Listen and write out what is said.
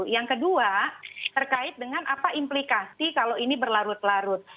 yang kedua terkait dengan apa implikasi kalau ini berlarut larut